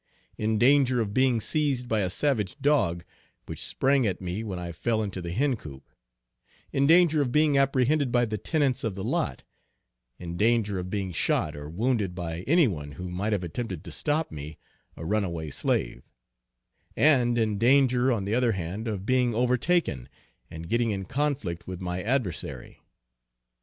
In danger of being seized by a savage dog, which sprang at me when I fell into the hen coop; in danger of being apprehended by the tenants of the lot; in danger of being shot or wounded by any one who might have attempted to stop me, a runaway slave; and in danger on the other hand of being overtaken and getting in conflict with my adversary.